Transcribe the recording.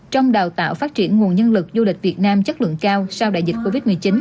trong đào tạo phát triển nguồn nhân lực du lịch việt nam chất lượng cao sau đại dịch covid một mươi chín